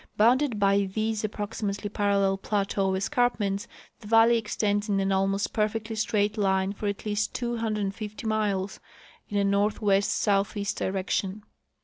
Bounded by these ap proximately parallel plateau escarpments, the valley extends in an almost perfectly straight line for at least 250 miles in a north west southeast direction.